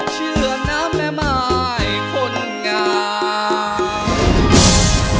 เชื่อนะแม่มายคนงาม